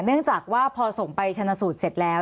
เนื่องจากว่าพอส่งไปชนะสูตรเสร็จแล้ว